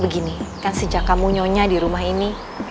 begini kan sejak kamu nyonya di rumah ini